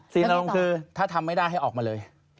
ซีนอารมณ์คือถ้าทำไม่ได้ให้ออกมาเลย